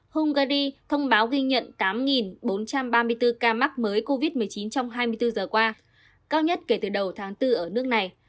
hungary thông báo ghi nhận tám bốn trăm ba mươi bốn ca mắc mới covid một mươi chín trong hai mươi bốn giờ qua cao nhất kể từ đầu tháng bốn ở nước này